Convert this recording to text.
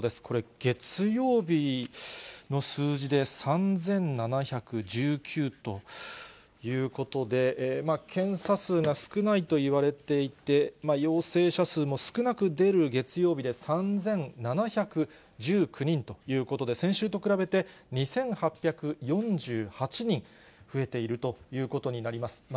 これ、月曜日の数字で３７１９ということで、検査数が少ないといわれていて、陽性者数も少なく出る月曜日で３７１９人ということで、先週と比べて２８４８人増えているということになります。